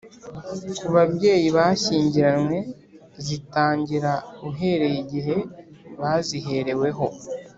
ku babyeyi bashyingiranywe zitangira uhereye igihe bazihereweho